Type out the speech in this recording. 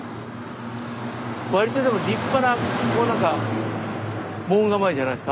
割とでも立派なこう何か門構えじゃないですか？